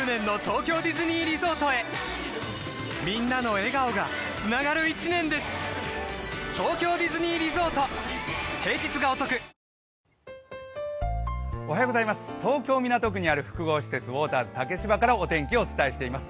選ぶ日がきたらクリナップ東京・港区にある複合施設、ウォーターズ竹芝からお天気をお伝えしています。